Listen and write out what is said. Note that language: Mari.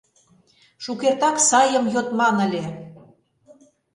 Шукертак сайым йодман ыле!